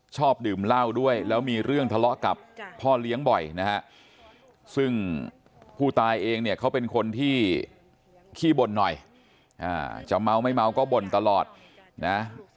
ชอบดื่มเหล้าด้วยแล้วมีเรื่องทะเลาะกับพ่อเลี้ยงบ่อยนะฮะซึ่งผู้ตายเองเนี่ยเขาเป็นคนที่ขี้บ่นหน่อยจะเมาไม่เมาก็บ่นตลอดนะ